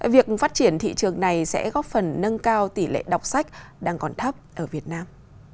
việc phát triển thị trường này sẽ góp phần nâng cao tỷ lệ đọc sách đang còn thấp ở việt nam